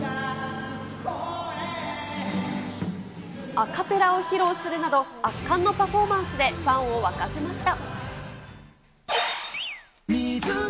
アカペラを披露するなど、圧巻のパフォーマンスで、ファンを沸かせました。